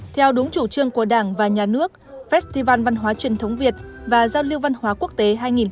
theo đúng chủ trương của đảng và nhà nước festival văn hóa truyền thống việt và giao lưu văn hóa quốc tế hai nghìn một mươi chín